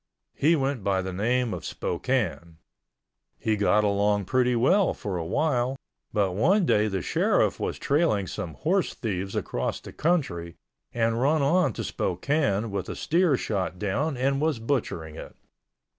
He went by the name of Spokane. He got along pretty well for a while, but one day the Sheriff was trailing some horse thieves across the country and run on to Spokane with a steer shot down and was butchering it.